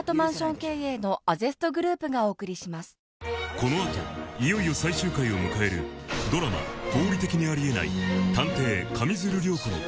［この後いよいよ最終回を迎えるドラマ『合理的にあり得ない探偵・上水流涼子の解明』］